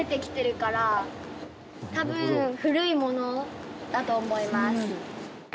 たぶん古いものだと思います。